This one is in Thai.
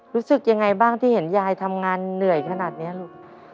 รู้สึกยังไงบ้างที่เห็นยายทำงานเหนื่อยขนาดนี้ลูก